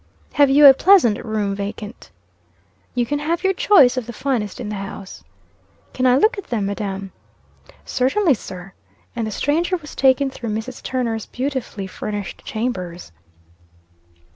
"Have you a pleasant room vacant?" "You can have your choice of the finest in the house?" "Can I look at them, madam?" "Certainly, sir." And the stranger was taken through Mrs. Turner's beautifully furnished chambers.